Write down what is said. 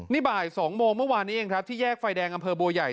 นี่บ่าย๒โมงเมื่อวานนี้เองครับที่แยกไฟแดงอำเภอบัวใหญ่